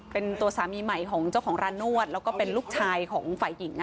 เป็นตัวสามีใหม่ของเจ้าของร้านนวดแล้วก็เป็นลูกชายของฝ่ายหญิง